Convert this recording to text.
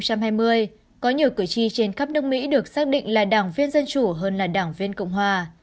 có nhiều cử tri trên khắp nước mỹ được xác định là đảng viên dân chủ hơn là đảng viên cộng hòa